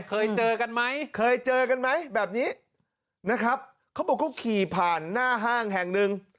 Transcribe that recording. เคยเจอกันไหมเคยเจอกันไหมแบบนี้นะครับเขาบอกเขาขี่ผ่านหน้าห้างแห่งหนึ่ง